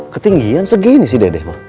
ketinggian segini sih dede mah